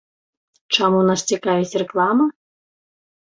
Чаму нас цікавіць рэклама?